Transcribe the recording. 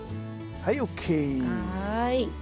はい。